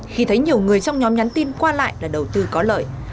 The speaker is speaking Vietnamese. khi thấy nhiều người trong nhóm nhắn tin qua lại là đầu tư có lợi